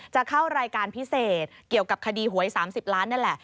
จะเข้ารายการพิเศษเกี่ยวกับคดีหวย๓๐ล้านนั่นแหละ